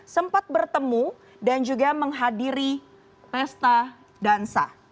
sempat bertemu dan juga menghadiri pesta dansa